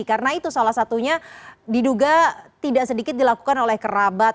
karena itu salah satunya diduga tidak sedikit dilakukan oleh kerabat